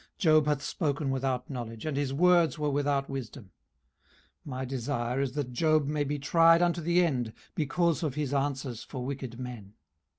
18:034:035 Job hath spoken without knowledge, and his words were without wisdom. 18:034:036 My desire is that Job may be tried unto the end because of his answers for wicked men.